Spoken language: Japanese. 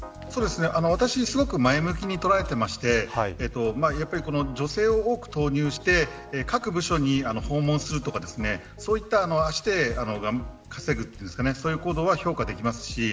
私はすごく前向きに捉えていましてやはり、女性を多く投入して各部署に訪問するとかそういったことをして稼ぐという行動は評価できます。